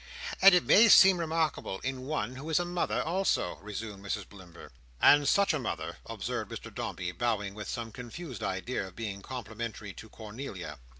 "And it may seem remarkable in one who is a mother also," resumed Mrs Blimber. "And such a mother," observed Mr Dombey, bowing with some confused idea of being complimentary to Cornelia.